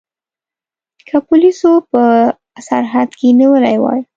که پولیسو په سرحد کې نیولي وای.